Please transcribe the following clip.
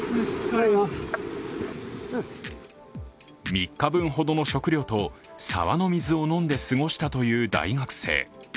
３日分ほどの食料と沢の水を飲んで過ごしたという大学生。